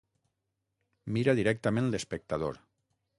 Mira directament l'espectador.